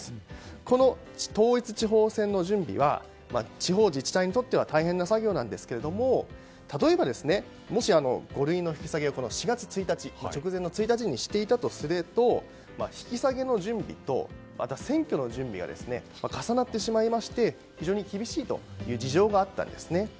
この統一地方選の準備は地方自治体にとっては大変な作業なんですが例えば、もし五類への引き下げを４月１日、直前の１日に直前にしていたとすると引き下げの準備とまた、選挙の準備が重なってしまいまして非常に厳しいという事情があったんですね。